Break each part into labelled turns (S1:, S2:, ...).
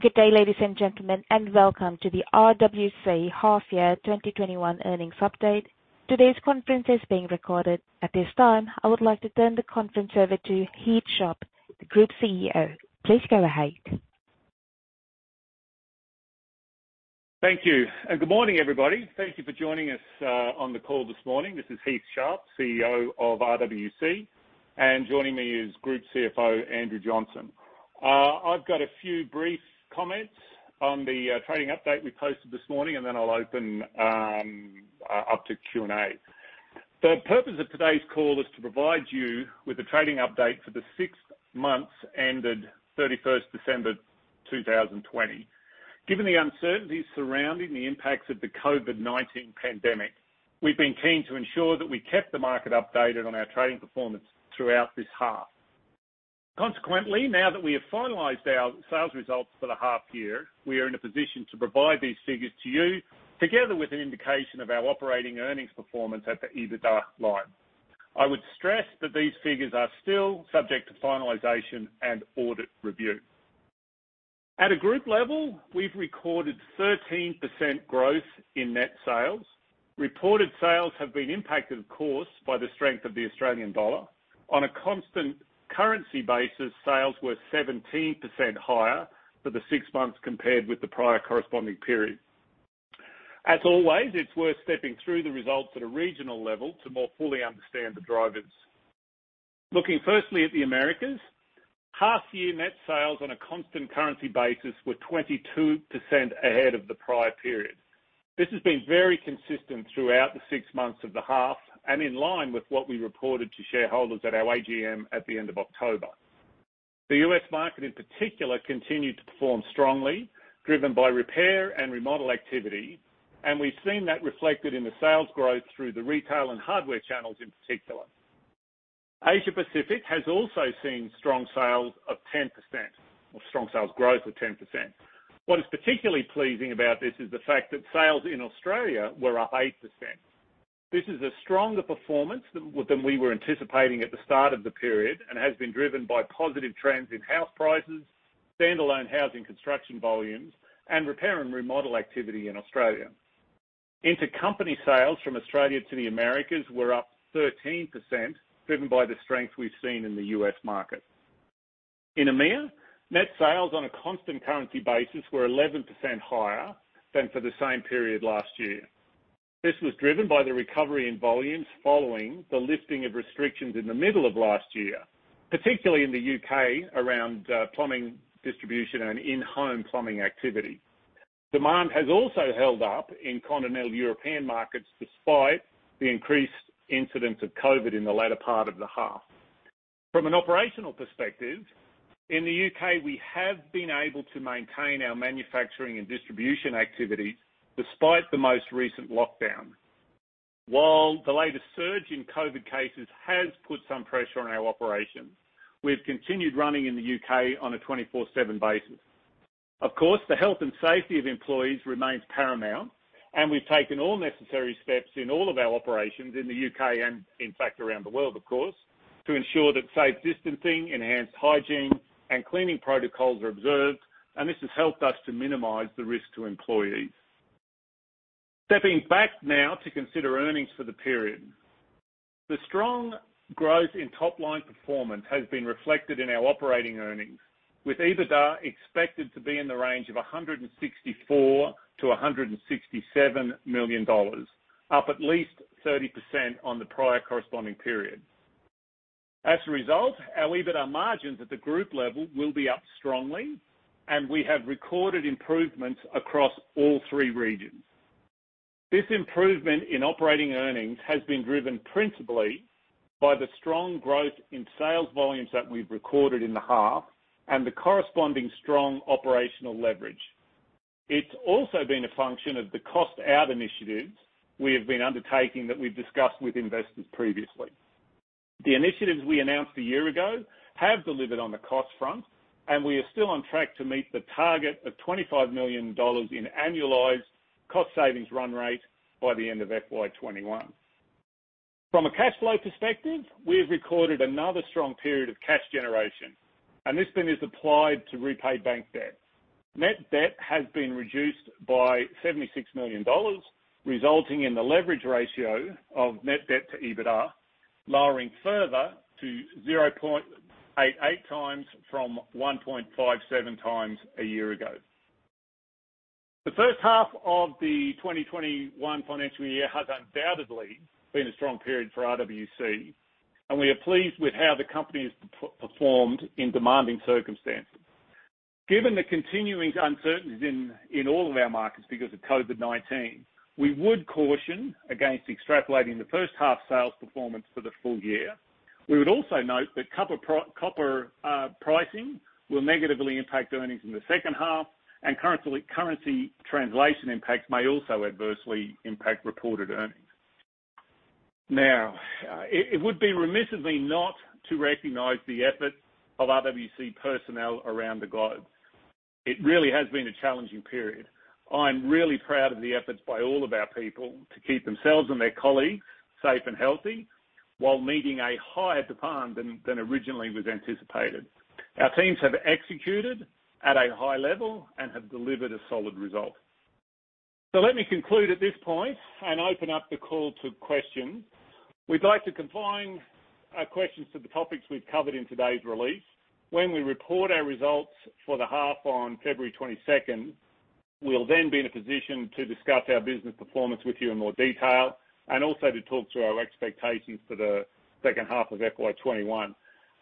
S1: Good day, ladies and gentlemen, and welcome to the RWC Half Year 2021 Earnings Update. Today's conference is being recorded. At this time, I would like to turn the conference over to Heath Sharp, the Group CEO. Please go ahead.
S2: Thank you, good morning, everybody. Thank you for joining us on the call this morning. This is Heath Sharp, CEO of RWC, and joining me is Group CFO, Andrew Johnson. I've got a few brief comments on the trading update we posted this morning, and then I'll open up to Q&A. The purpose of today's call is to provide you with a trading update for the six months ended 31st December 2020. Given the uncertainty surrounding the impacts of the COVID-19 pandemic, we've been keen to ensure that we kept the market updated on our trading performance throughout this half. Now that we have finalized our sales results for the half year, we are in a position to provide these figures to you, together with an indication of our operating earnings performance at the EBITDA line. I would stress that these figures are still subject to finalization and audit review. At a group level, we've recorded 13% growth in net sales. Reported sales have been impacted, of course, by the strength of the Australian dollar. On a constant currency basis, sales were 17% higher for the six months compared with the prior corresponding period. As always, it's worth stepping through the results at a regional level to more fully understand the drivers. Looking firstly at the Americas, half year net sales on a constant currency basis were 22% ahead of the prior period. This has been very consistent throughout the six months of the half and in line with what we reported to shareholders at our AGM at the end of October. The U.S. market, in particular, continued to perform strongly, driven by repair and remodel activity, and we've seen that reflected in the sales growth through the retail and hardware channels in particular. Asia Pacific has also seen strong sales growth of 10%. What is particularly pleasing about this is the fact that sales in Australia were up 8%. This is a stronger performance than we were anticipating at the start of the period and has been driven by positive trends in house prices, standalone housing construction volumes, and repair and remodel activity in Australia. Intercompany sales from Australia to the Americas were up 13%, driven by the strength we've seen in the U.S. market. In EMEA, net sales on a constant currency basis were 11% higher than for the same period last year. This was driven by the recovery in volumes following the lifting of restrictions in the middle of last year, particularly in the U.K. around plumbing distribution and in-home plumbing activity. Demand has also held up in Continental European markets, despite the increased incidence of COVID in the latter part of the half. From an operational perspective, in the U.K., we have been able to maintain our manufacturing and distribution activities despite the most recent lockdown. While the latest surge in COVID cases has put some pressure on our operations, we've continued running in the U.K. on a 24/7 basis. The health and safety of employees remains paramount. We've taken all necessary steps in all of our operations in the U.K. and in fact around the world, of course, to ensure that safe distancing, enhanced hygiene, and cleaning protocols are observed. This has helped us to minimize the risk to employees. Stepping back now to consider earnings for the period. The strong growth in top-line performance has been reflected in our operating earnings, with EBITDA expected to be in the range of AUD 164 million-AUD 167 million, up at least 30% on the prior corresponding period. Our EBITDA margins at the group level will be up strongly. We have recorded improvements across all three regions. This improvement in operating earnings has been driven principally by the strong growth in sales volumes that we've recorded in the half and the corresponding strong operational leverage. It's also been a function of the cost-out initiatives we have been undertaking that we've discussed with investors previously. The initiatives we announced a year ago have delivered on the cost front. We are still on track to meet the target of 25 million dollars in annualized cost savings run rate by the end of FY 2021. From a cash flow perspective, we have recorded another strong period of cash generation. This has been applied to repay bank debt. Net debt has been reduced by 76 million dollars, resulting in the leverage ratio of net debt to EBITDA lowering further to 0.88x from 1.57x a year ago. The first half of the 2021 financial year has undoubtedly been a strong period for RWC. We are pleased with how the company has performed in demanding circumstances. Given the continuing uncertainties in all of our markets because of COVID-19, we would caution against extrapolating the first half sales performance for the full year. We would also note that copper pricing will negatively impact earnings in the second half, and currency translation impacts may also adversely impact reported earnings. It would be remiss of me not to recognize the efforts of RWC personnel around the globe. It really has been a challenging period. I'm really proud of the efforts by all of our people to keep themselves and their colleagues safe and healthy while meeting a higher demand than originally was anticipated. Our teams have executed at a high level and have delivered a solid result. Let me conclude at this point and open up the call to question. We'd like to confine questions to the topics we've covered in today's release. When we report our results for the half on February 22nd, we'll then be in a position to discuss our business performance with you in more detail, and also to talk through our expectations for the second half of FY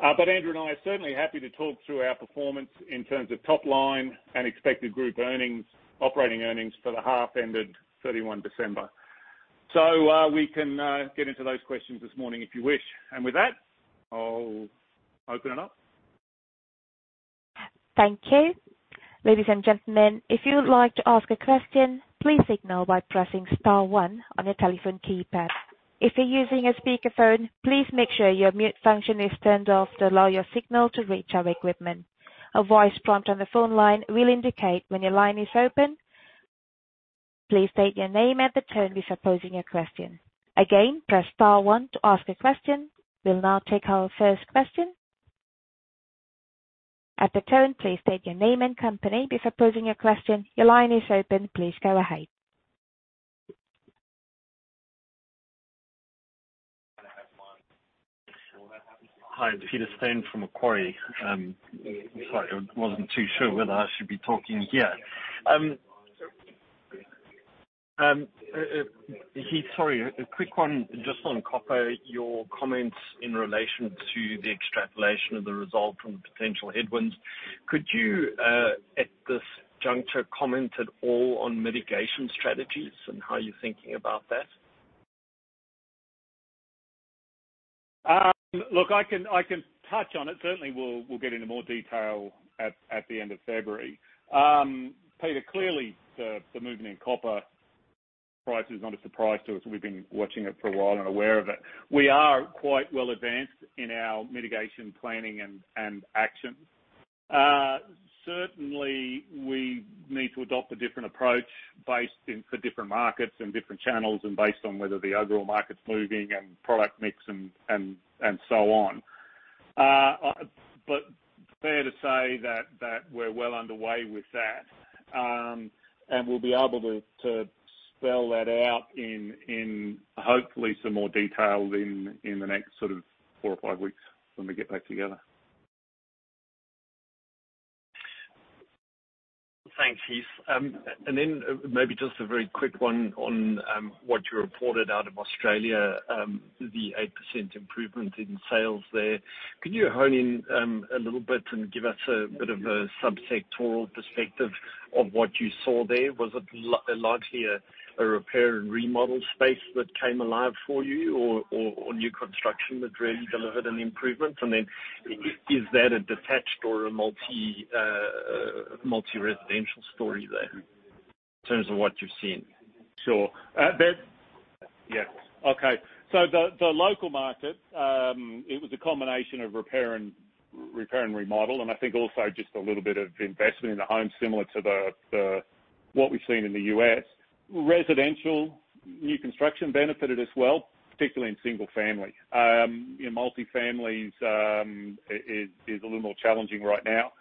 S2: 2021. Andrew and I are certainly happy to talk through our performance in terms of top line and expected group earnings, operating earnings for the half ended 31 December. We can get into those questions this morning, if you wish. With that, I'll open it up.
S1: Thank you. Ladies and gentlemen, if you would like to ask a question, please signal by pressing star one on your telephone keypad. If you're using a speakerphone, please make sure your mute function is turned off to allow your signal to reach our equipment. A voice prompt on the phone line will indicate when your line is open. Please state your name at the tone before posing your question. Again, press star one to ask a question. We'll now take our first question. At the tone, please state your name and company before posing your question. Your line is open. Please go ahead.
S3: Hi, it's Peter Steyn from Macquarie. Sorry, I wasn't too sure whether I should be talking here. Heath, sorry, a quick one just on copper, your comments in relation to the extrapolation of the result from the potential headwinds. Could you, at this juncture, comment at all on mitigation strategies and how you're thinking about that?
S2: Look, I can touch on it. Certainly, we'll get into more detail at the end of February. Peter, clearly the movement in copper price is not a surprise to us. We've been watching it for a while and aware of it. We are quite well advanced in our mitigation planning and actions. Certainly, we need to adopt a different approach for different markets and different channels and based on whether the overall market's moving and product mix and so on. Fair to say that we're well underway with that, and we'll be able to spell that out in hopefully some more detail in the next four or five weeks when we get back together.
S3: Thanks, Heath. Maybe just a very quick one on what you reported out of Australia, the 8% improvement in sales there. Could you hone in a little bit and give us a bit of a sub-sectoral perspective of what you saw there? Was it largely a repair and remodel space that came alive for you or new construction that really delivered an improvement? Is that a detached or a multi-residential story there in terms of what you've seen?
S2: Sure. Yes. Okay. The local market, it was a combination of repair and remodel, and I think also just a little bit of investment in the home, similar to what we've seen in the U.S. Residential new construction benefited as well, particularly in single family. Multi-family is a little more challenging right now,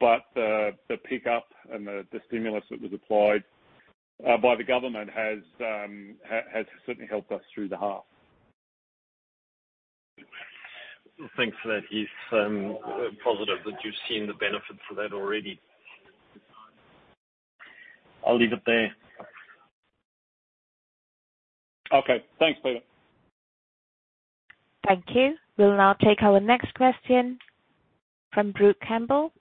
S2: but the pickup and the stimulus that was applied by the government has certainly helped us through the half.
S3: Thanks for that, Heath. Positive that you've seen the benefit for that already. I'll leave it there.
S2: Okay. Thanks, Peter.
S1: Thank you. We'll now take our next question from Brook Campbell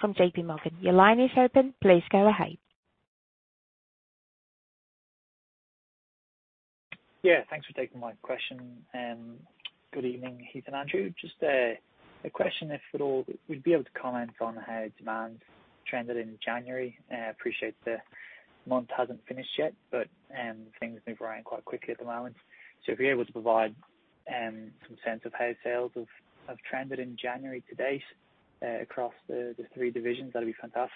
S1: from JPMorgan. Your line is open. Please go ahead.
S4: Yeah, thanks for taking my question. Good evening, Heath and Andrew. Just a question, if at all, would you be able to comment on how demand trended in January? I appreciate the month hasn't finished yet, but things move around quite quickly at the moment. If you're able to provide some sense of how sales have trended in January to date across the three divisions, that'd be fantastic.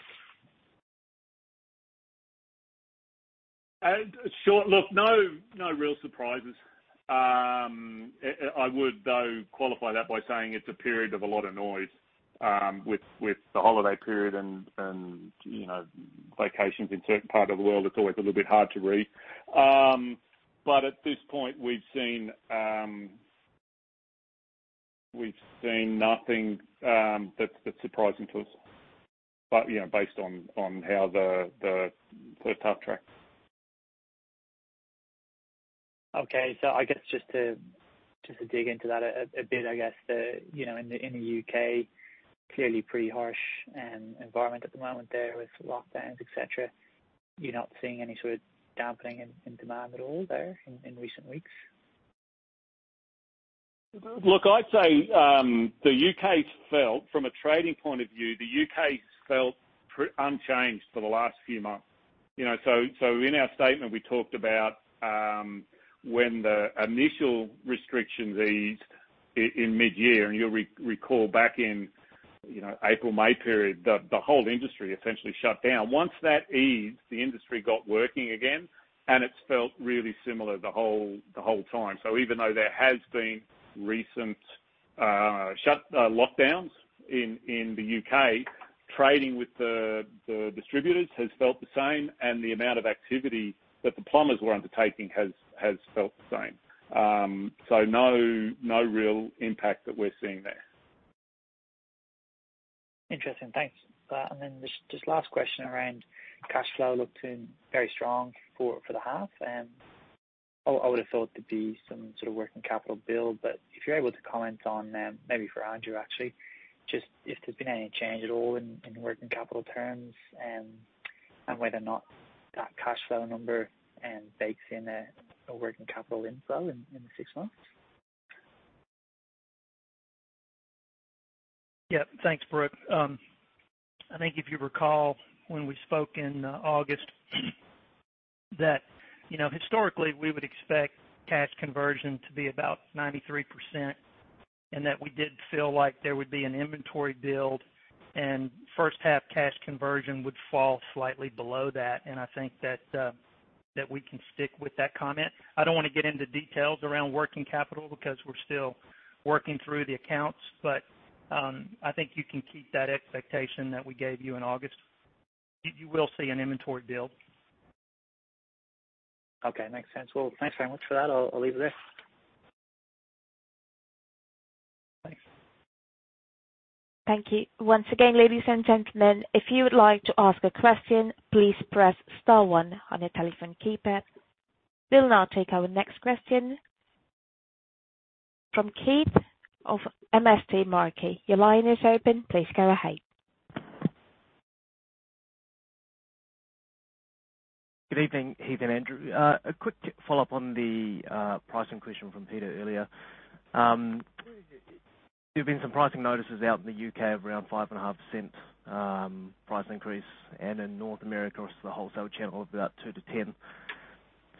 S2: Sure. Look, no real surprises. I would, though, qualify that by saying it's a period of a lot of noise with the holiday period and vacations in certain parts of the world, it's always a little bit hard to read. At this point, we've seen nothing that's surprising to us based on how the half tracks.
S4: I guess just to dig into that a bit, I guess, in the U.K., clearly pretty harsh environment at the moment there with lockdowns, et cetera. You're not seeing any sort of dampening in demand at all there in recent weeks?
S2: Look, I'd say, from a trading point of view, the U.K. felt unchanged for the last few months. In our statement, we talked about when the initial restrictions eased in mid-year, and you'll recall back in April, May period, the whole industry essentially shut down. Once that eased, the industry got working again, and it's felt really similar the whole time. Even though there has been recent lockdowns in the U.K., trading with the distributors has felt the same, and the amount of activity that the plumbers were undertaking has felt the same. No real impact that we're seeing there.
S4: Interesting. Thanks. Just last question around cash flow looking very strong for the half. I would have thought there'd be some sort of working capital build, but if you're able to comment on, maybe for Andrew, actually, just if there's been any change at all in working capital terms, and whether or not that cash flow number bakes in a working capital inflow in the six months.
S5: Yeah. Thanks, Brook. I think if you recall when we spoke in August that historically, we would expect cash conversion to be about 93%, and that we did feel like there would be an inventory build, and first-half cash conversion would fall slightly below that. I think that we can stick with that comment. I don't want to get into details around working capital because we're still working through the accounts, but I think you can keep that expectation that we gave you in August. You will see an inventory build.
S4: Okay. Makes sense. Well, thanks very much for that. I'll leave it there.
S5: Thanks.
S1: Thank you. Once again, ladies and gentlemen, if you would like to ask a question, please press star one on your telephone keypad. We'll now take our next question from Keith of MST Marquee. Your line is open. Please go ahead.
S6: Good evening, Heath and Andrew. A quick follow-up on the pricing question from Peter earlier. There've been some pricing notices out in the U.K. of around 5.5% price increase and in North America across the wholesale channel of about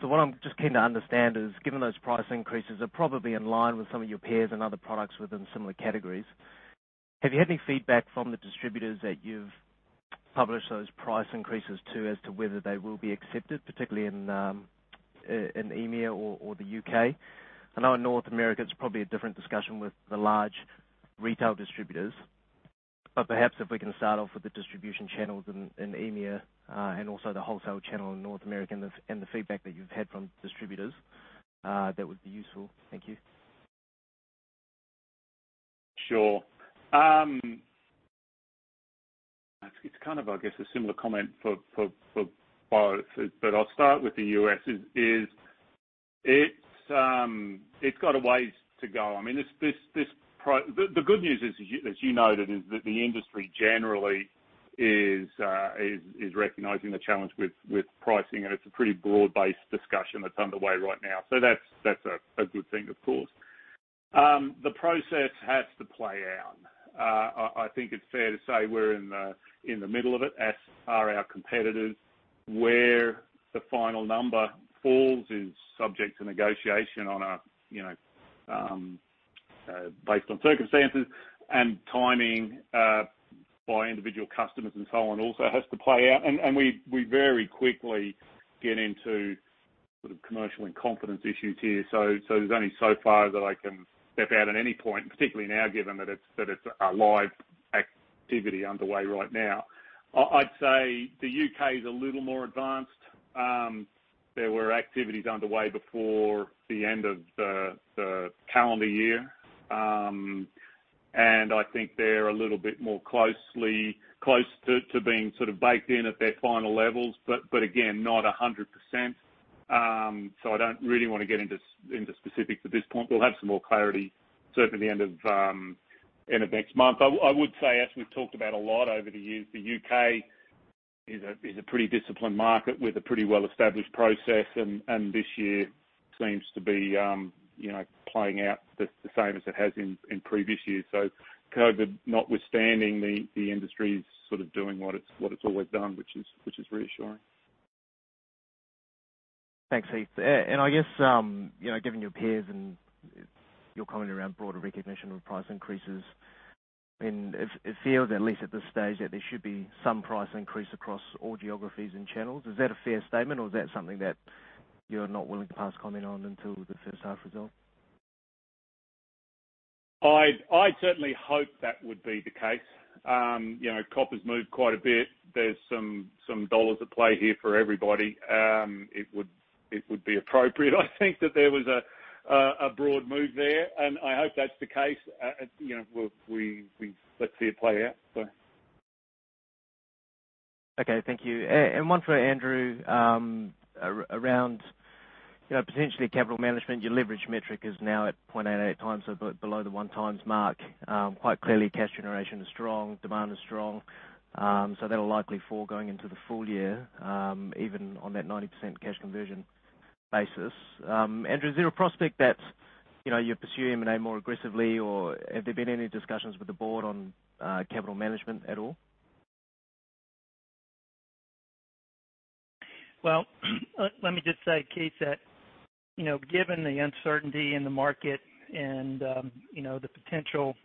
S6: 2%-10%. What I'm just keen to understand is, given those price increases are probably in line with some of your peers and other products within similar categories, have you had any feedback from the distributors that you've published those price increases to as to whether they will be accepted, particularly in EMEA or the U.K.? I know in North America it's probably a different discussion with the large retail distributors, but perhaps if we can start off with the distribution channels in EMEA, and also the wholesale channel in North America and the feedback that you've had from distributors, that would be useful. Thank you.
S2: Sure. It's kind of, I guess, a similar comment for both, but I'll start with the U.S., is it's got a ways to go. The good news is, as you noted, is that the industry generally is recognizing the challenge with pricing, and it's a pretty broad-based discussion that's underway right now. That's a good thing, of course. The process has to play out. I think it's fair to say we're in the middle of it, as are our competitors. Where the final number falls is subject to negotiation based on circumstances and timing by individual customers and so on also has to play out. We very quickly get into commercial and confidence issues here. There's only so far that I can step out at any point, particularly now given that it's a live activity underway right now. I'd say the U.K. is a little more advanced. There were activities underway before the end of the calendar year. I think they're a little bit more close to being sort of baked in at their final levels. Again, not 100%. I don't really want to get into specifics at this point. We'll have some more clarity certainly end of next month. I would say, as we've talked about a lot over the years, the U.K. is a pretty disciplined market with a pretty well-established process. This year seems to be playing out the same as it has in previous years. COVID notwithstanding, the industry's sort of doing what it's always done, which is reassuring.
S6: Thanks, Heath. I guess, given your peers and your comment around broader recognition of price increases, and it feels, at least at this stage, that there should be some price increase across all geographies and channels. Is that a fair statement or is that something that you're not willing to pass comment on until the first half results?
S2: I certainly hope that would be the case. Copper's moved quite a bit. There's some dollars at play here for everybody. It would be appropriate, I think, that there was a broad move there, and I hope that's the case. Let's see it play out.
S6: Okay. Thank you. One for Andrew, around potentially capital management. Your leverage metric is now at 0.88x, below the 1x mark. Quite clearly, cash generation is strong, demand is strong. That'll likely fall going into the full year, even on that 90% cash conversion basis. Andrew, is there a prospect that you're pursuing M&A more aggressively, or have there been any discussions with the board on capital management at all?
S5: Well, let me just say, Keith, that given the uncertainty in the market and the potential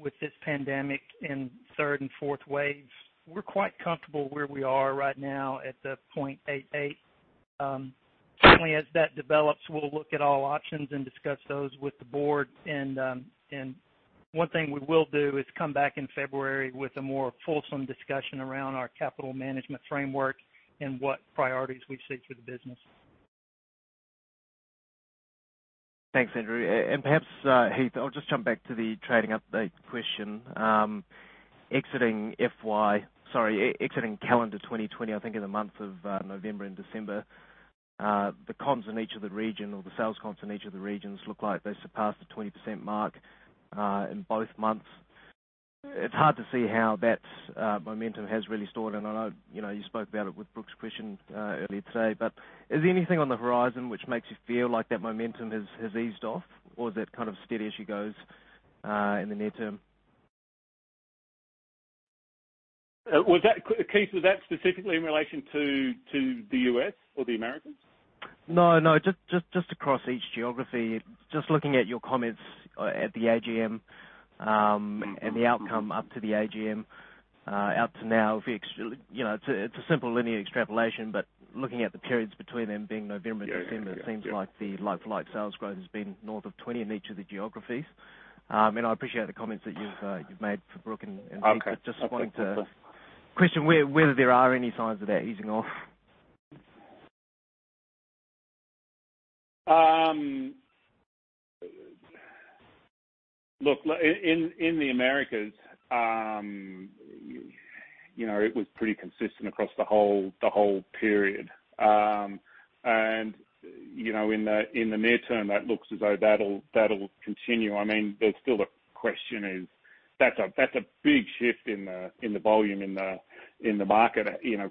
S5: with this pandemic in third and fourth waves, we're quite comfortable where we are right now at the 0.88. Certainly, as that develops, we'll look at all options and discuss those with the board. One thing we will do is come back in February with a more fulsome discussion around our capital management framework and what priorities we see for the business.
S6: Thanks, Andrew. Perhaps, Heath, I'll just jump back to the trading update question. Exiting calendar 2020, I think in the months of November and December, the comps in each of the regions look like they surpassed the 20% mark in both months. It's hard to see how that momentum has really stalled. I know you spoke about it with Brook's question earlier today, but is there anything on the horizon which makes you feel like that momentum has eased off, or is it kind of steady as she goes in the near term?
S2: Keith, was that specifically in relation to the U.S. or the Americas?
S6: Just across each geography. Just looking at your comments at the AGM and the outcome up to the AGM out to now. It's a simple linear extrapolation, looking at the periods between them being November, December. It seems like the like-for-like sales growth has been north of 20 in each of the geographies. I appreciate the comments that you've made for Brook.
S2: Okay.
S6: Just wanted to question whether there are any signs of that easing off?
S2: Look, in the Americas, it was pretty consistent across the whole period. In the near term, that looks as though that'll continue. There's still a question is, that's a big shift in the volume in the market.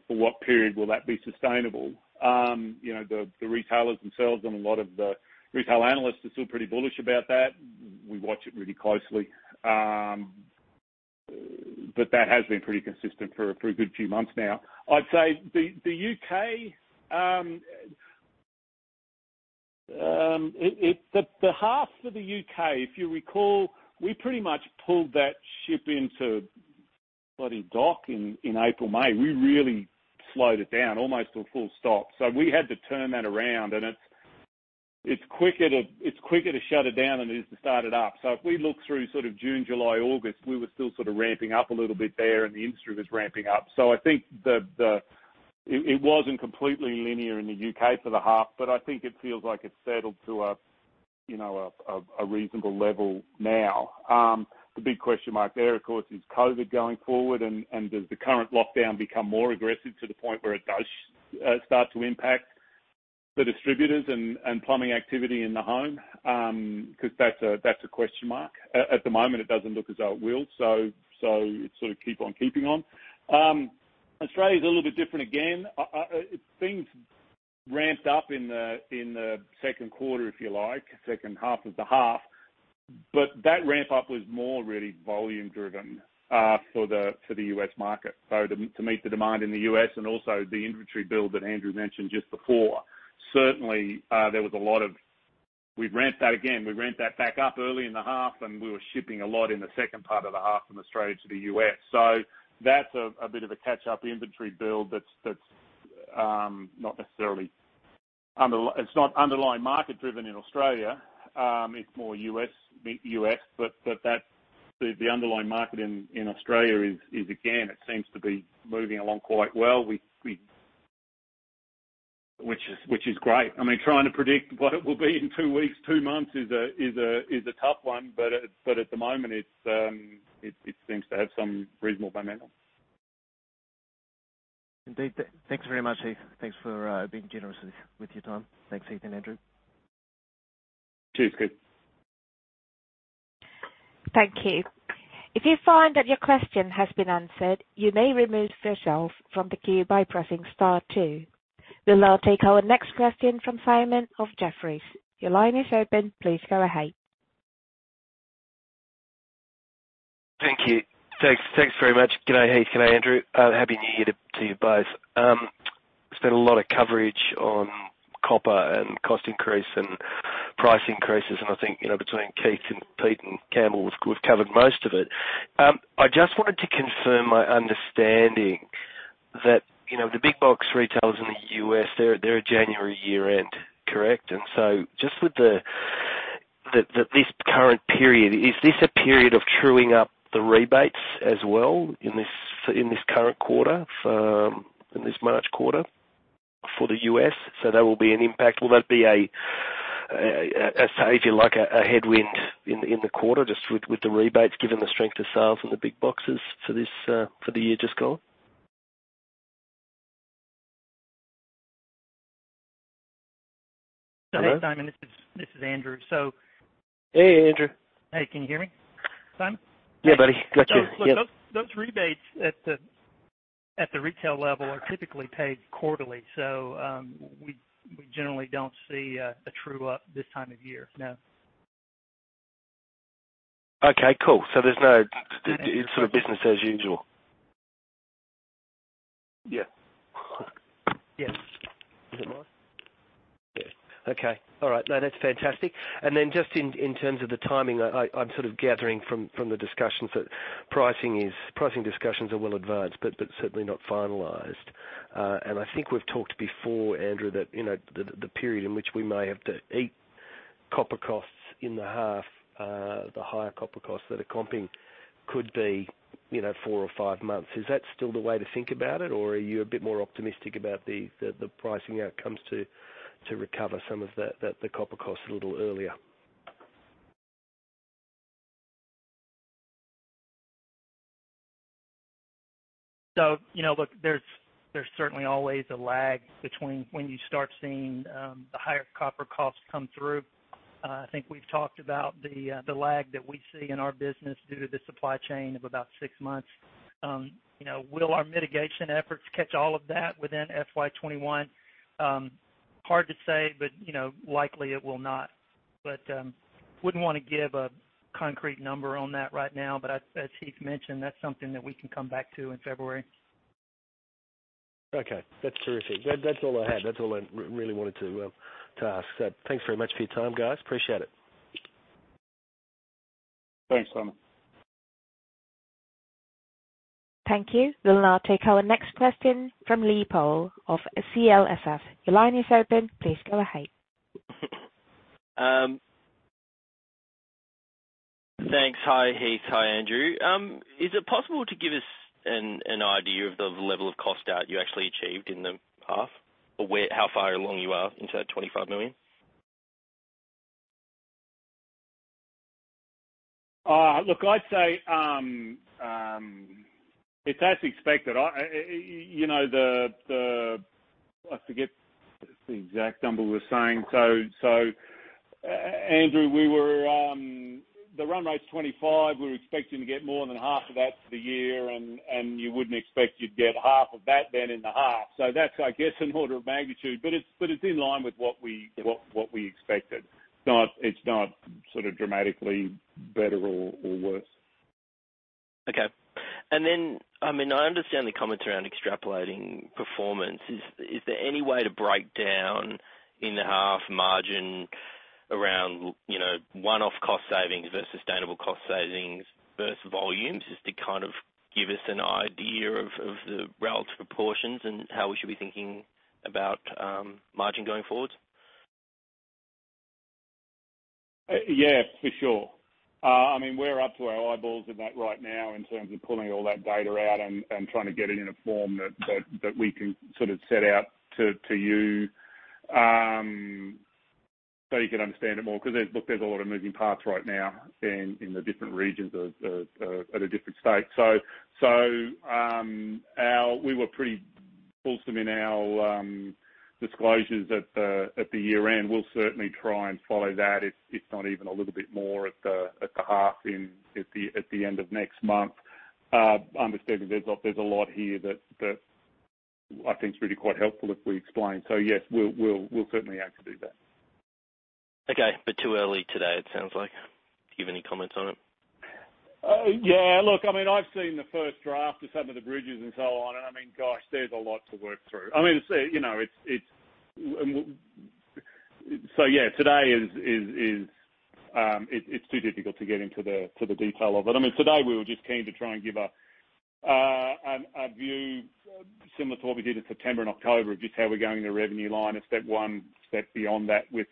S2: For what period will that be sustainable? The retailers themselves and a lot of the retail analysts are still pretty bullish about that. We watch it really closely. That has been pretty consistent for a good few months now. I'd say the U.K., the half for the U.K., if you recall, we pretty much pulled that ship into bloody dock in April, May. We really slowed it down almost to a full stop. We had to turn that around and it's quicker to shut it down than it is to start it up. If we look through sort of June, July, August, we were still sort of ramping up a little bit there and the industry was ramping up. I think it wasn't completely linear in the U.K. for the half, but I think it feels like it's settled to a reasonable level now. The big question mark there, of course, is COVID going forward and does the current lockdown become more aggressive to the point where it does start to impact the distributors and plumbing activity in the home? Because that's a question mark. At the moment, it doesn't look as though it will. It's sort of keep on keeping on. Australia is a little bit different again. Things ramped up in the second quarter, if you like, second half of the half, but that ramp up was more really volume driven for the U.S. market. To meet the demand in the U.S. and also the inventory build that Andrew mentioned just before. Certainly, we ramped that back up early in the half, and we were shipping a lot in the second part of the half from Australia to the U.S. That's a bit of a catch-up inventory build that's not underlying market driven in Australia. It's more U.S., but the underlying market in Australia is, again, it seems to be moving along quite well, which is great. Trying to predict what it will be in two weeks, two months is a tough one. At the moment, it seems to have some reasonable momentum.
S6: Indeed. Thanks very much, Heath. Thanks for being generous with your time. Thanks, Heath and Andrew.
S2: Cheers, Keith.
S1: Thank you. If you find that your question has been answered, you may remove yourself from the queue by pressing star two. We'll now take our next question from Simon of Jefferies. Your line is open. Please go ahead.
S7: Thank you. Thanks very much. Good day, Heath. Good day, Andrew. Happy new year to you both. We spent a lot of coverage on copper and cost increase and price increases, and I think between Keith and Pete and Campbell, we've covered most of it. I just wanted to confirm my understanding that the big box retailers in the U.S., they're a January year-end, correct? Just with this current period, is this a period of truing up the rebates as well in this March quarter for the U.S.? That will be an impact. Will that be a, say if you like, a headwind in the quarter just with the rebates given the strength of sales in the big boxes for the year just gone?
S5: Hey, Simon, this is Andrew.
S7: Hey, Andrew.
S5: Hey, can you hear me, Simon?
S7: Yeah, buddy. Got you. Yeah.
S5: Those rebates at the retail level are typically paid quarterly. We generally don't see a true up this time of year. No.
S7: Okay, cool. It's sort of business as usual?
S2: Yeah.
S5: Yes.
S2: Is it mine?
S7: Okay. All right. No, that's fantastic. Just in terms of the timing, I'm sort of gathering from the discussions that pricing discussions are well advanced, but certainly not finalized. I think we've talked before, Andrew, that the period in which we may have to eat copper costs in the half, the higher copper costs that are comping could be four or five months. Is that still the way to think about it, or are you a bit more optimistic about the pricing outcomes to recover some of the copper costs a little earlier?
S5: Look, there's certainly always a lag between when you start seeing the higher copper costs come through. I think we've talked about the lag that we see in our business due to the supply chain of about six months. Will our mitigation efforts catch all of that within FY 2021? Hard to say, but likely it will not. Wouldn't want to give a concrete number on that right now. As Heath mentioned, that's something that we can come back to in February.
S7: Okay. That's terrific. That's all I had. That's all I really wanted to ask. Thanks very much for your time, guys. Appreciate it.
S2: Thanks, Simon.
S1: Thank you. We'll now take our next question from [Lee Paul of SCLSS]. Your line is open. Please go ahead.
S8: Thanks. Hi, Heath. Hi, Andrew. Is it possible to give us an idea of the level of cost out you actually achieved in the half? How far along you are into that AUD 25 million?
S2: Look, I'd say, it's as expected. I forget the exact number we're saying. Andrew, the run rate's 25 million. We were expecting to get more than half of that for the year, and you wouldn't expect you'd get half of that then in the half. That's, I guess, an order of magnitude, but it's in line with what we expected. It's not sort of dramatically better or worse.
S8: Okay. I understand the comments around extrapolating performance. Is there any way to break down in the half margin around one-off cost savings versus sustainable cost savings versus volumes? Just to kind of give us an idea of the relative proportions and how we should be thinking about margin going forward.
S2: For sure. We're up to our eyeballs in that right now in terms of pulling all that data out and trying to get it in a form that we can sort of set out to you so you can understand it more, because, look, there's a lot of moving parts right now in the different regions at a different stage. We were pretty wholesome in our disclosures at the year-end. We'll certainly try and follow that, if not even a little bit more at the half in, at the end of next month. Understanding there's a lot here that I think is really quite helpful if we explain. Yes, we'll certainly look to do that.
S8: Okay. Too early today, it sounds like, to give any comments on it?
S2: Yeah. Look, I've seen the first draft of some of the bridges and so on, and gosh, there's a lot to work through. Yeah, today it's too difficult to get into the detail of it. Today we were just keen to try and give a view similar to what we did in September and October of just how we're going in the revenue line, a step one, step beyond that with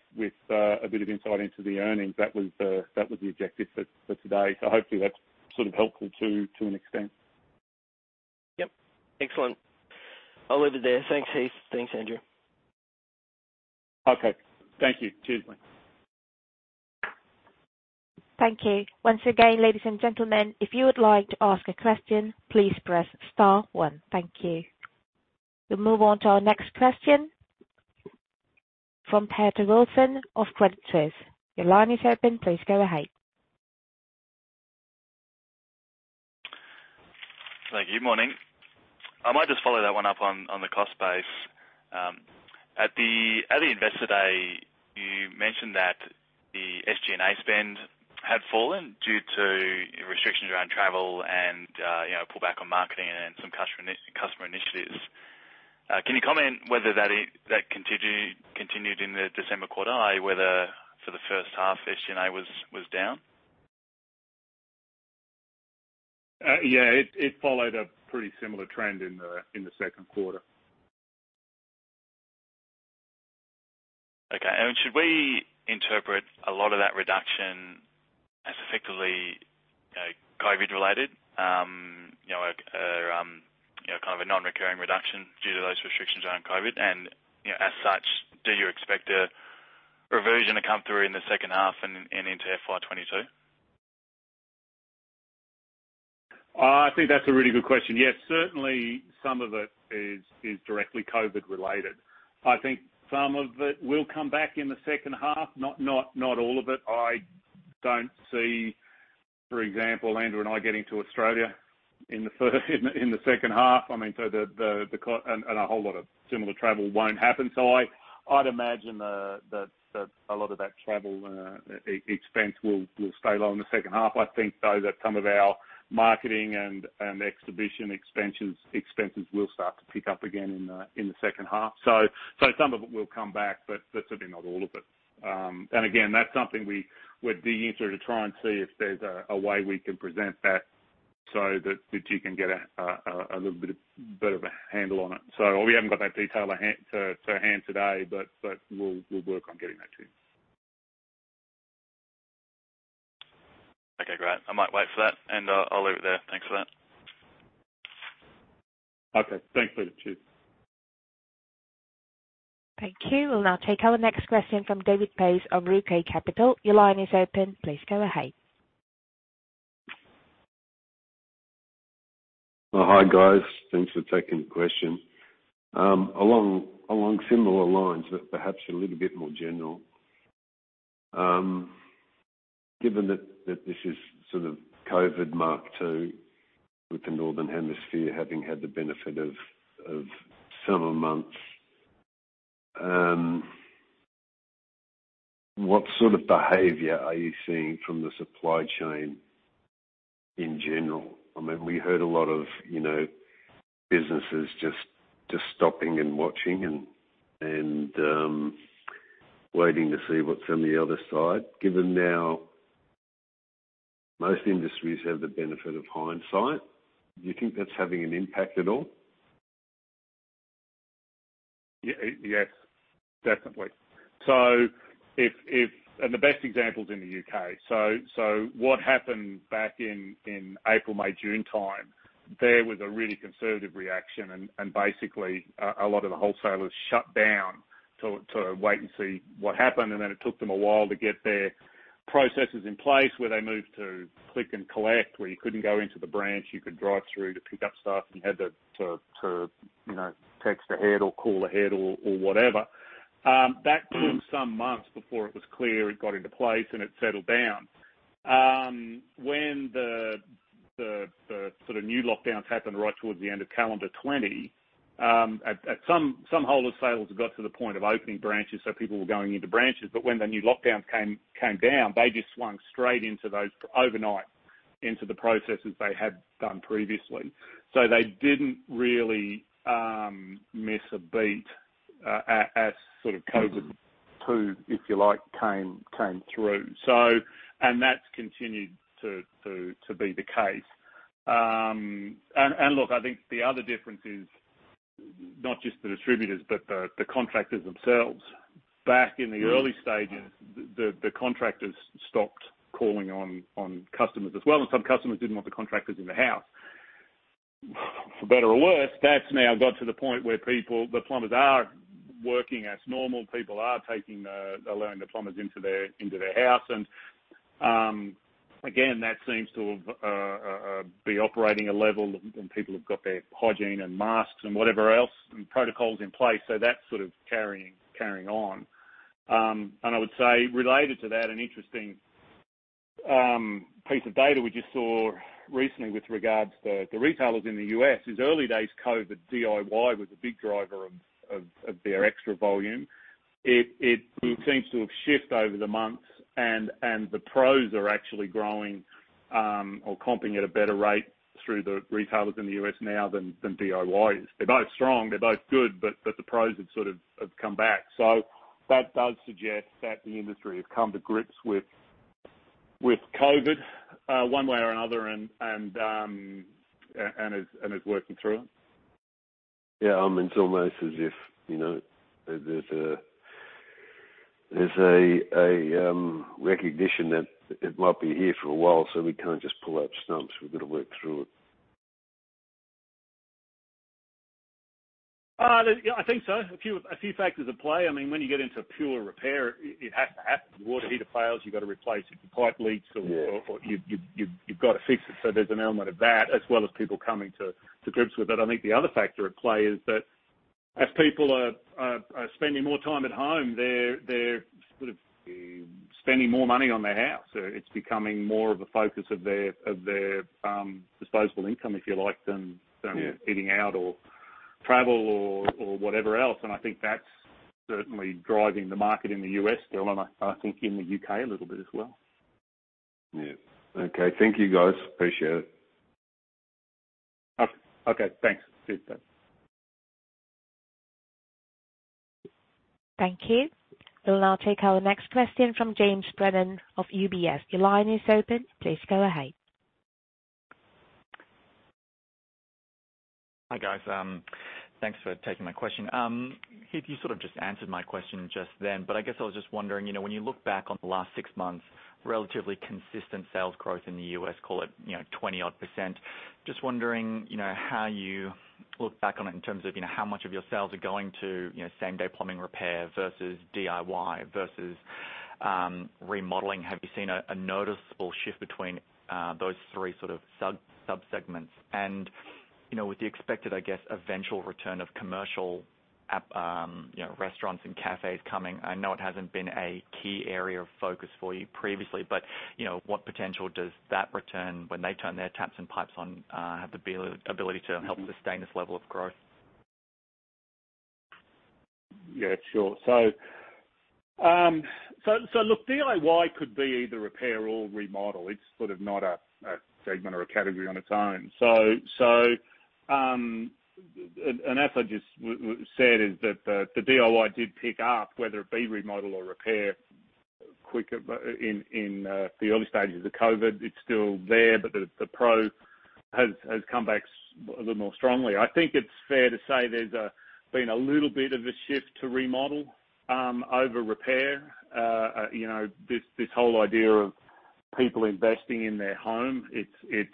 S2: a bit of insight into the earnings. That was the objective for today. Hopefully that's sort of helpful to an extent.
S8: Yep. Excellent. I'll leave it there. Thanks, Heath. Thanks, Andrew.
S2: Okay. Thank you. Cheers.
S1: Thank you. Once again, ladies and gentlemen, if you would like to ask a question, please press star one. Thank you. We'll move on to our next question from Peter Wilson of Credit Suisse. Your line is open. Please go ahead.
S9: Thank you. Morning. I might just follow that one up on the cost base. At the Investor Day, you mentioned that the SG&A spend had fallen due to restrictions around travel and pullback on marketing and some customer initiatives. Can you comment whether that continued in the December quarter? Whether for the first half SG&A was down?
S2: Yeah. It followed a pretty similar trend in the second quarter.
S9: Okay. Should we interpret a lot of that reduction as effectively COVID-related? Kind of a non-recurring reduction due to those restrictions around COVID, as such, do you expect a reversion to come through in the second half and into FY 2022?
S2: I think that's a really good question. Yes, certainly some of it is directly COVID-related. I think some of it will come back in the second half. Not all of it. I don't see, for example, Andrew and I getting to Australia in the second half and a whole lot of similar travel won't happen. I'd imagine that a lot of that travel expense will stay low in the second half. I think, though, that some of our marketing and exhibition expenses will start to pick up again in the second half. Some of it will come back, but certainly not all of it. Again, that's something we're digging through to try and see if there's a way we can present that so that you can get a little bit of a handle on it. We haven't got that detail to hand today, but we'll work on getting that to you.
S9: Okay, great. I might wait for that, and I'll leave it there. Thanks for that.
S2: Okay. Thanks, Peter. Cheers.
S1: Thank you. We'll now take our next question from David Pace of Greencape Capital. Your line is open. Please go ahead.
S10: Hi, guys. Thanks for taking the question. Along similar lines, perhaps a little bit more general. Given that this is sort of COVID mark two with the northern hemisphere having had the benefit of summer months, what sort of behavior are you seeing from the supply chain in general? We heard a lot of businesses just stopping and watching and waiting to see what's on the other side. Given now most industries have the benefit of hindsight, do you think that's having an impact at all?
S2: Yes, definitely. The best example is in the U.K. What happened back in April, May, June time, there was a really conservative reaction and basically, a lot of the wholesalers shut down to wait and see what happened, and then it took them a while to get their processes in place where they moved to click and collect, where you couldn't go into the branch, you could drive through to pick up stuff. You had to text ahead or call ahead or whatever. That took some months before it was clear it got into place and it settled down. When the new lockdowns happened right towards the end of calendar 2020, some wholesalers got to the point of opening branches, so people were going into branches. When the new lockdowns came down, they just swung straight overnight into the processes they had done previously. They didn't really miss a beat as COVID, if you like, came through. That's continued to be the case. Look, I think the other difference is not just the distributors, but the contractors themselves. Back in the early stages, the contractors stopped calling on customers as well, and some customers didn't want the contractors in the house. For better or worse, that's now got to the point where the plumbers are working as normal. People are allowing the plumbers into their house. Again, that seems to be operating a level and people have got their hygiene and masks and whatever else and protocols in place. That's sort of carrying on. I would say related to that, an interesting piece of data we just saw recently with regards to the retailers in the U.S. is early days COVID, DIY was a big driver of their extra volume. It seems to have shift over the months and the pros are actually growing or comping at a better rate through the retailers in the U.S. now than DIY is. They're both strong, they're both good, but the pros have come back. That does suggest that the industry has come to grips with COVID one way or another and is working through it.
S10: Yeah. It's almost as if there's a recognition that it might be here for a while, so we can't just pull up stumps. We've got to work through it.
S2: I think so. A few factors at play. When you get into pure repair, it has to happen. Your water heater fails, you got to replace it. If your pipe leaks. You've got to fix it. There's an element of that as well as people coming to grips with it. I think the other factor at play is that as people are spending more time at home, they're spending more money on their house. It's becoming more of a focus of their disposable income, if you like eating out or travel or whatever else. I think that's certainly driving the market in the U.S. still and I think in the U.K. a little bit as well.
S10: Okay. Thank you, guys. Appreciate it.
S2: Okay. Thanks. Cheers, Pace.
S1: Thank you. We'll now take our next question from James Brennan of UBS. Your line is open. Please go ahead.
S11: Hi, guys. Thanks for taking my question. Heath, you sort of just answered my question just then, but I guess I was just wondering. When you look back on the last six months, relatively consistent sales growth in the U.S., call it 20%-odd. Just wondering how you look back on it in terms of how much of your sales are going to same-day plumbing repair versus DIY versus remodeling. Have you seen a noticeable shift between those three sub-segments? With the expected, I guess, eventual return of commercial restaurants and cafes coming, I know it hasn't been a key area of focus for you previously, but what potential does that return when they turn their taps and pipes on have the ability to help sustain this level of growth?
S2: Yeah, sure. Look, DIY could be either repair or remodel. It's sort of not a segment or a category on its own. As I just said, is that the DIY did pick up, whether it be remodel or repair, quicker in the early stages of the COVID. It's still there. The pro has come back a little more strongly. I think it's fair to say there's been a little bit of a shift to remodel over repair. This whole idea of people investing in their home. It's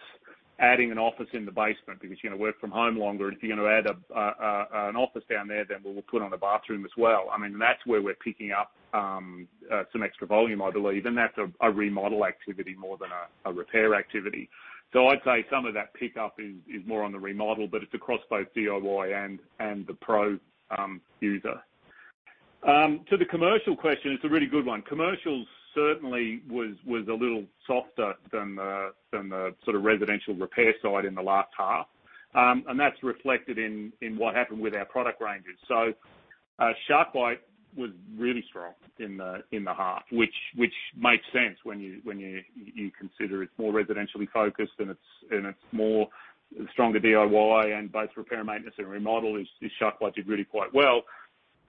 S2: adding an office in the basement because you're going to work from home longer. If you're going to add an office down there, then we'll put on a bathroom as well. I mean, that's where we're picking up some extra volume, I believe. That's a remodel activity more than a repair activity. I'd say some of that pickup is more on the remodel, but it's across both DIY and the pro user. To the commercial question, it's a really good one. Commercial certainly was a little softer than the sort of residential repair side in the last half, and that's reflected in what happened with our product ranges. SharkBite was really strong in the half, which makes sense when you consider it's more residentially focused and it's more stronger DIY and both repair, maintenance and remodel is SharkBite did really quite well.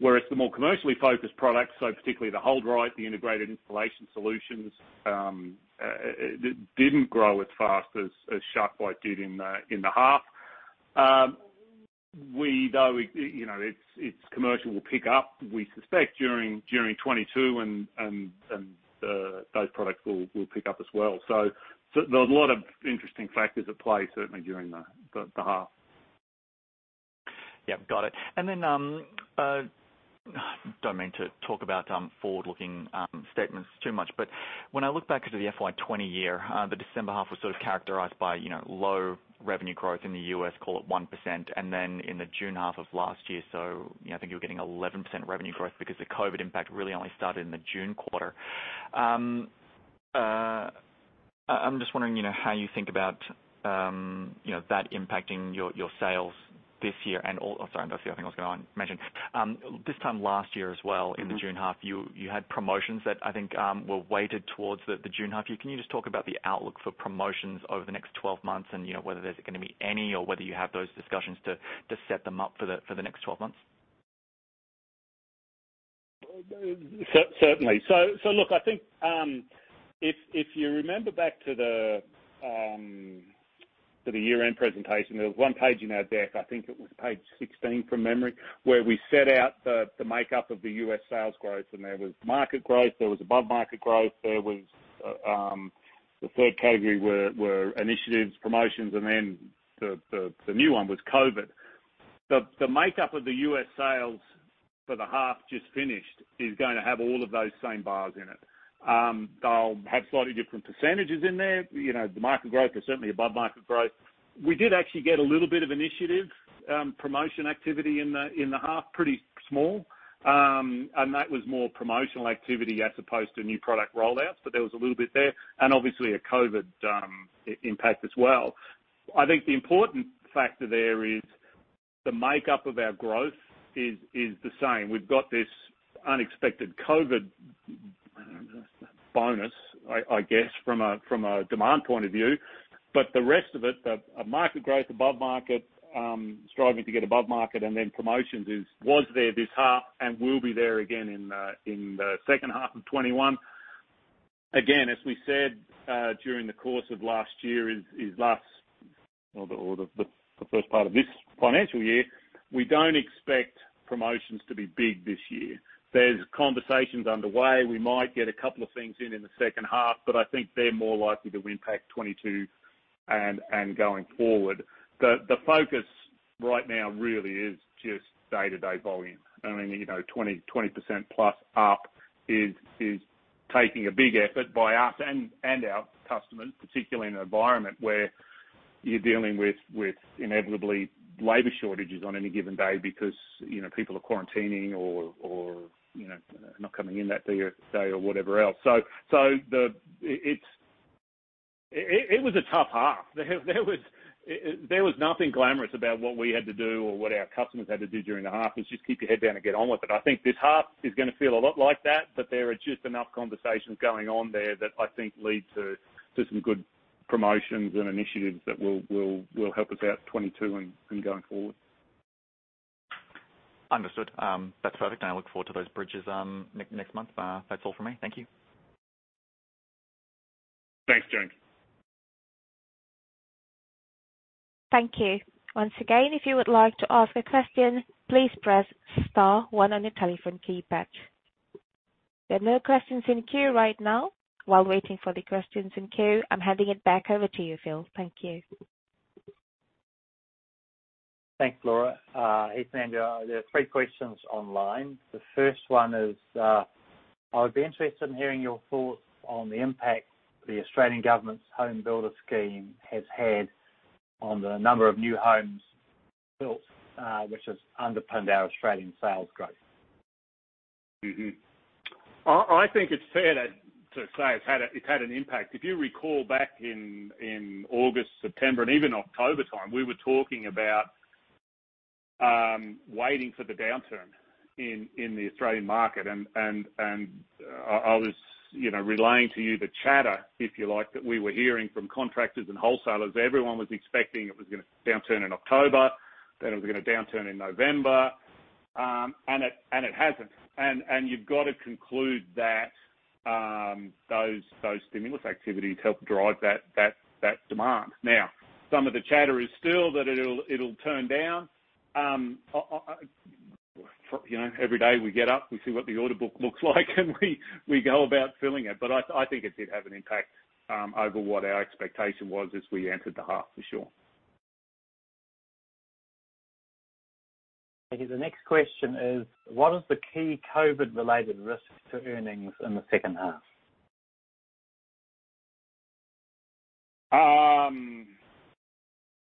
S2: Whereas the more commercially focused products, particularly the HoldRite, the integrated installation solutions, didn't grow as fast as SharkBite did in the half. It's commercial will pick up, we suspect, during 2022 and those products will pick up as well. There's a lot of interesting factors at play, certainly during the half.
S11: Yeah. Got it. I don't mean to talk about forward-looking statements too much, but when I look back into the FY 2020 year, the December half was sort of characterized by low revenue growth in the U.S., call it 1%, and then in the June half of last year, so I think you were getting 11% revenue growth because the COVID impact really only started in the June quarter. I'm just wondering how you think about that impacting your sales this year. Oh, sorry, that's the other thing I was going to mention. This time last year as well in the June half, you had promotions that I think were weighted towards the June half year. Can you just talk about the outlook for promotions over the next 12 months and whether there's going to be any or whether you have those discussions to set them up for the next 12 months?
S2: Certainly. Look, I think if you remember back to the year-end presentation, there was one page in our deck, I think it was page 16 from memory, where we set out the makeup of the U.S. sales growth and there was market growth, there was above-market growth, there was the third category were initiatives, promotions, and then the new one was COVID. The makeup of the U.S. sales for the half just finished is going to have all of those same bars in it. They'll have slightly different percentages in there. The market growth is certainly above market growth. We did actually get a little bit of initiative promotion activity in the half, pretty small. That was more promotional activity as opposed to new product rollouts, but there was a little bit there. Obviously a COVID impact as well. I think the important factor there is the makeup of our growth is the same. We've got this unexpected COVID bonus, I guess from a demand point of view. The rest of it, a market growth above market, striving to get above market and then promotions was there this half and will be there again in the second half of 2021. As we said during the course of last year or the first part of this financial year, we don't expect promotions to be big this year. There's conversations underway. We might get a couple of things in in the second half, but I think they're more likely to impact 2022 and going forward. The focus right now really is just day-to-day volume. I mean, 20%, +20% up is taking a big effort by us and our customers, particularly in an environment where you're dealing with inevitably labor shortages on any given day because people are quarantining or not coming in that day or whatever else. It was a tough half. There was nothing glamorous about what we had to do or what our customers had to do during the half. It's just keep your head down and get on with it. I think this half is going to feel a lot like that, but there are just enough conversations going on there that I think lead to some good promotions and initiatives that will help us out 2022 and going forward.
S11: Understood. That's perfect. I look forward to those bridges next month. That's all from me. Thank you.
S2: Thanks, James.
S1: Thank you. Once again, if you would like to ask a question, please press star one on your telephone keypad. There are no questions in queue right now. While waiting for the questions in queue, I'm handing it back over to you, Phil. Thank you.
S12: Thanks, Laura. Heath and Andrew, there are three questions online. The first one is: I would be interested in hearing your thoughts on the impact the Australian government's HomeBuilder scheme has had on the number of new homes built, which has underpinned our Australian sales growth.
S2: I think it's fair to say it's had an impact. If you recall back in August, September, and even October time, we were talking about waiting for the downturn in the Australian market. I was relaying to you the chatter, if you like, that we were hearing from contractors and wholesalers. Everyone was expecting it was going to downturn in October, then it was going to downturn in November, and it hasn't. You've got to conclude that those stimulus activities helped drive that demand. Now, some of the chatter is still that it'll turn down. Every day we get up, we see what the order book looks like, and we go about filling it. I think it did have an impact over what our expectation was as we entered the half, for sure.
S12: Okay, the next question is: what is the key COVID-related risk to earnings in the second half?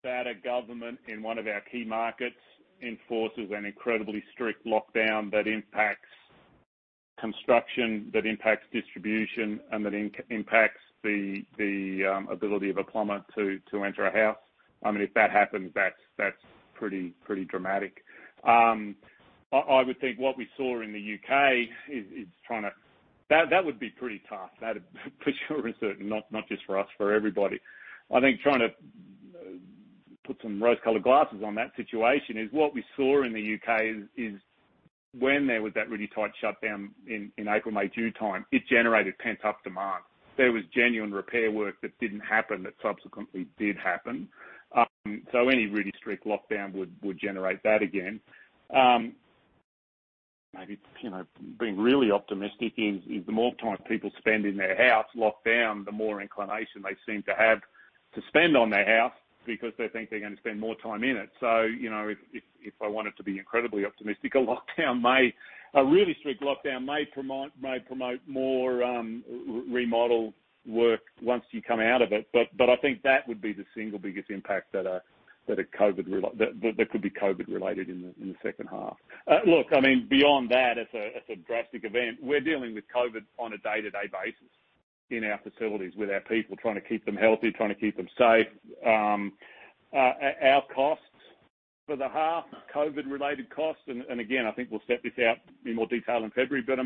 S2: A government in one of our key markets enforces an incredibly strict lockdown that impacts construction, that impacts distribution, and that impacts the ability of a plumber to enter a house. If that happens, that's pretty dramatic. I would think what we saw in the U.K. is That would be pretty tough, that'd for sure and certain, not just for us, for everybody. I think trying to put some rose-colored glasses on that situation is what we saw in the U.K. is when there was that really tight shutdown in April, May, June time, it generated pent-up demand. There was genuine repair work that didn't happen that subsequently did happen. Any really strict lockdown would generate that again. Maybe, being really optimistic is, the more time people spend in their house locked down, the more inclination they seem to have to spend on their house because they think they're going to spend more time in it. If I wanted to be incredibly optimistic, a really strict lockdown may promote more remodel work once you come out of it. I think that would be the single biggest impact that could be COVID-related in the second half. Look, beyond that, it's a drastic event. We're dealing with COVID on a day-to-day basis in our facilities with our people, trying to keep them healthy, trying to keep them safe. Our costs for the half, COVID-related costs, and again, I think we'll set this out in more detail in February, but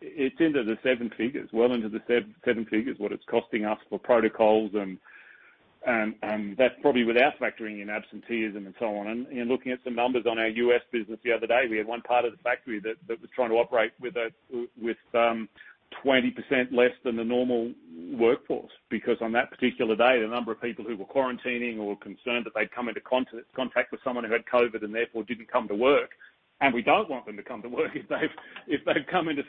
S2: it's into the seven figures. Well into the seven figures, what it's costing us for protocols and that's probably without factoring in absenteeism and so on. Looking at some numbers on our U.S. business the other day, we had one part of the factory that was trying to operate with 20% less than the normal workforce. Because on that particular day, the number of people who were quarantining or were concerned that they'd come into contact with someone who had COVID and therefore didn't come to work, and we don't want them to come to work if they've come into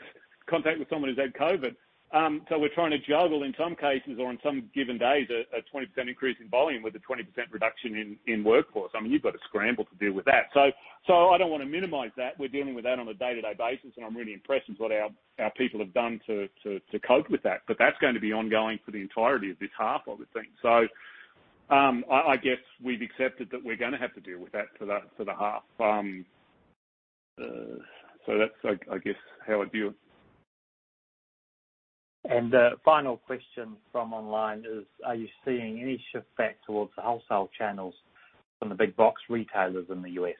S2: contact with someone who's had COVID. We're trying to juggle, in some cases, or on some given days, a 20% increase in volume with a 20% reduction in workforce. You've got to scramble to deal with that. I don't want to minimize that. We're dealing with that on a day-to-day basis, and I'm really impressed with what our people have done to cope with that. That's going to be ongoing for the entirety of this half, I would think. I guess we've accepted that we're going to have to deal with that for the half. That's, I guess, how I'd view it.
S12: The final question from online is: are you seeing any shift back towards the wholesale channels from the big box retailers in the U.S.?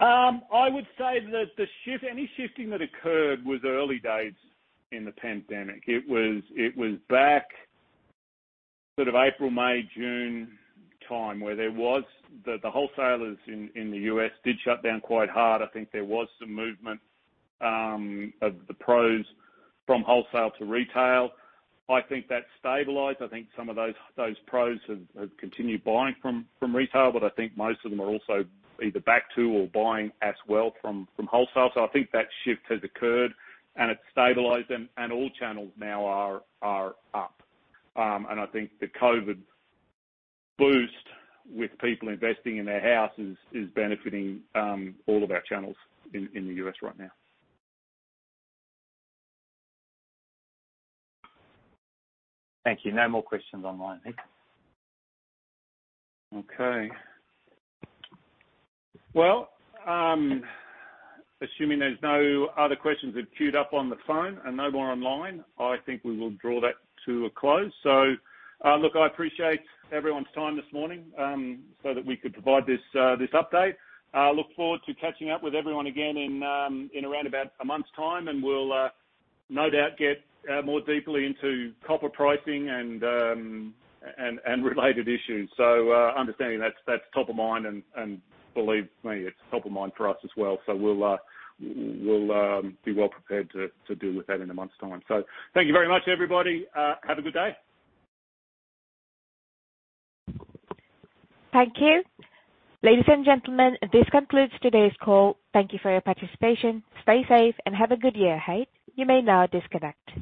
S2: I would say that any shifting that occurred was early days in the pandemic. It was back sort of April, May, June time, where the wholesalers in the U.S. did shut down quite hard. I think there was some movement of the pros from wholesale to retail. I think that's stabilized. I think some of those pros have continued buying from retail, but I think most of them are also either back to or buying as well from wholesale. I think that shift has occurred and it's stabilized and all channels now are up. I think the COVID boost with people investing in their house is benefiting all of our channels in the U.S. right now.
S12: Thank you. No more questions online, Heath.
S2: Okay. Well, assuming there's no other questions have queued up on the phone and no more online, I think we will draw that to a close. Look, I appreciate everyone's time this morning so that we could provide this update. Look forward to catching up with everyone again in around about a month's time, and we'll no doubt get more deeply into copper pricing and related issues. Understanding that's top of mind, and believe me, it's top of mind for us as well. We'll be well prepared to deal with that in a month's time. Thank you very much, everybody. Have a good day.
S1: Thank you. Ladies and gentlemen, this concludes today's call. Thank you for your participation. Stay safe and have a good year ahead. You may now disconnect.